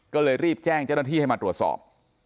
ก็เลยรีบแจ้งเจ้าหน้าที่ให้มาตรวจสอบ